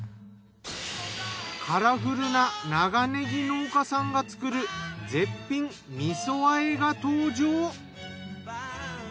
カラフルな長ねぎ農家さんが作る絶品みそ和えが登場。